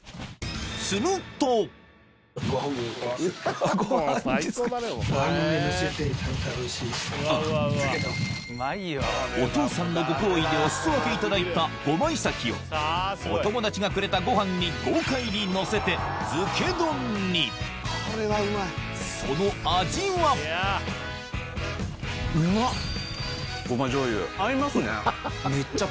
するとお父さんのご厚意でお裾分けいただいたゴマイサキをお友達がくれたご飯に豪快にのせて漬け丼にその味はゴマじょうゆ合いますね。